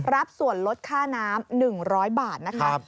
รับส่วนลดค่าน้ำ๑๐๐บาทนะคะ